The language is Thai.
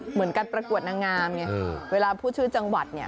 เหมือนการประกวดนางงามไงเวลาพูดชื่อจังหวัดเนี่ย